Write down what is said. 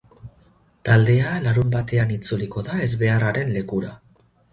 Taldea larunbatean itzuliko da ezbeharraren lekura.